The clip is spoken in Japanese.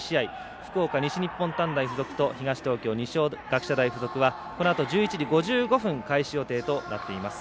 福岡、西日本短大付属と東東京、二松学舎大付属はこのあと１１時５５分開始予定となっています。